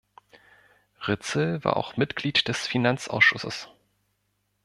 Ritzel war auch Mitglied des Finanzausschusses.